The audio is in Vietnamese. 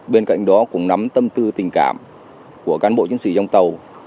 bên cạnh đó cũng nắm tâm tư tình cảm của cán bộ chiến sĩ trong tàu